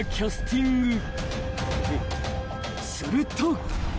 ［すると］